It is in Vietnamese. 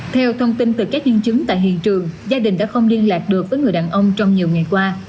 theo thông tin từ các nhân chứng tại hiện trường gia đình đã không liên lạc được với người đàn ông trong nhiều ngày qua